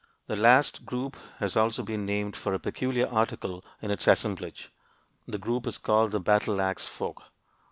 This last group has also been named for a peculiar article in its assemblage; the group is called the Battle axe folk.